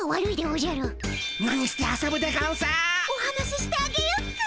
お話ししてあげよっか？